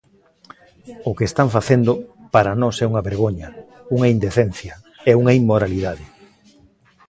O que están facendo, para nós é unha vergoña, unha indecencia, e unha inmoralidade.